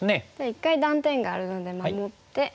一回断点があるので守って。